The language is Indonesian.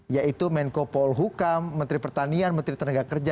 yaitu menko paul hukam menteri pertanian menteri tenaga kerja